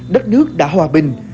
đất nước đã hòa bình